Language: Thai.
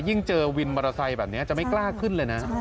เจอวินมอเตอร์ไซค์แบบนี้จะไม่กล้าขึ้นเลยนะ